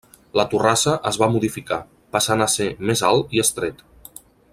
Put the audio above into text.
La torrassa es va modificar, passant a ser més alt i estret.